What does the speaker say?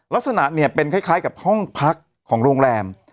ลักษณะเนี่ยเป็นคล้ายกับห้องพักของโรงแรม